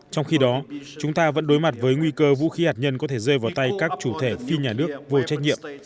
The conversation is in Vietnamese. trong khi đó chúng ta vẫn đối mặt với nguy cơ vũ khí hạt nhân có thể rơi vào tay các chủ thể phi nhà nước vô trách nhiệm